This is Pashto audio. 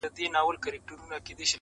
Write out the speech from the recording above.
سړي وویل حاکمه ستا قربان سم،